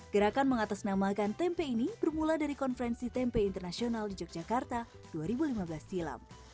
gerakan mengatasnamakan tempe ini bermula dari konferensi tempe internasional di yogyakarta dua ribu lima belas silam